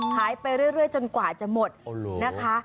ไปเรื่อยจนกว่าจะหมดนะคะ